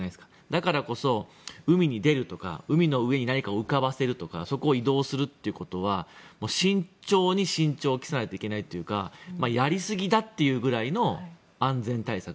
だからこそ、海に出るとか海の上に何かを浮かばせるとかそこを移動するということは慎重に慎重を期さないといけないというかやりすぎだっていうぐらいの安全対策。